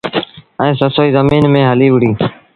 ائيٚݩ سسئيٚ زميݩ ميݩ هليٚ وُهڙيٚ۔